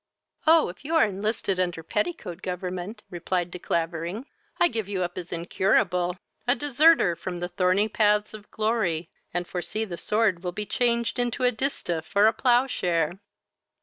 "Oh! if you are enlisted under petticoat government, (replied De Clavering,) I give you up as incurable, a deserter from the thorny paths of glory, and foresee the sword will be changed into a distaff or a ploughshare."